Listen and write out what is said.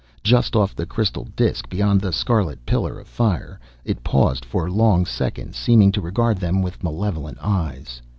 Just off the crystal disk, beyond the scarlet pillar of fire, it paused for long seconds, seeming to regard them with malevolent eyes.